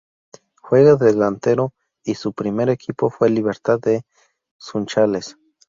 Juega de delantero y su primer equipo fue Libertad de Sunchales.